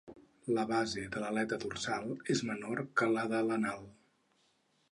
La base de l'aleta dorsal és menor que la de l'anal.